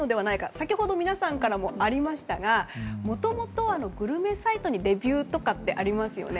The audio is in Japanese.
先ほど皆さんからもありましたがもともとグルメサイトのレビューとかってありますよね。